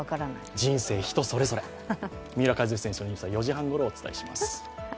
人生、人それぞれ、三浦知良選手のニュースは４時半ごろにお伝えします。